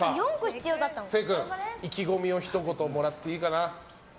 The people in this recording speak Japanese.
成君、意気込みをひと言もらっていいかな。